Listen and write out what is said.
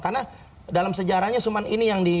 karena dalam sejarahnya suman ini yang di